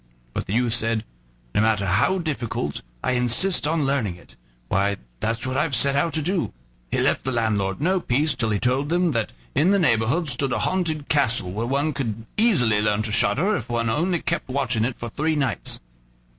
But the youth said: "No matter how difficult, I insist on learning it; why, that's what I've set out to do." He left the landlord no peace till he told him that in the neighborhood stood a haunted castle, where one could easily learn to shudder if one only kept watch in it for three nights.